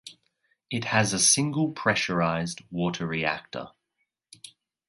It has a single pressurized water reactor.